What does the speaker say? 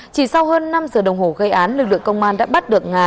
chỉ sau hơn năm giờ đồng hồ gây án lực lượng công an đã bắt được nga